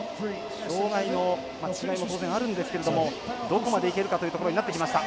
障がいの違いも当然あるんですけれどもどこまでいけるかというところになってきました。